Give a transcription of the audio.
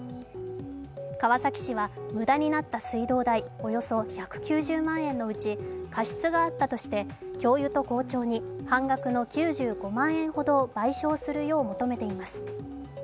川崎市は無駄になった水道代およそ１９０万円のうち過失があったとして、教諭と校長に半額の９５万円ほどを賠償するよう求めています